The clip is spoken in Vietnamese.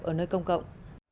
ở nơi công cộng